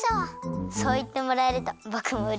そういってもらえるとぼくもうれしいです。